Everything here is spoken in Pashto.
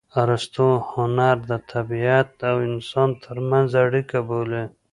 ارستو هنر د طبیعت او انسان ترمنځ اړیکه بولي